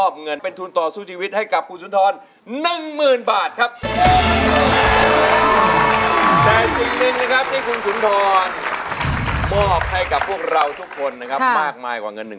ไม่เป็นไรเดี๋ยวข้างหน้ามาใหม่ก็ได้